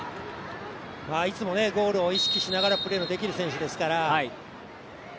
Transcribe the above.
いつもゴールを意識しながらプレーのできる選手ですから。